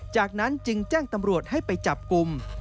จากนั้นจึงแจ้งตำรวจให้ไปจับกลุ่ม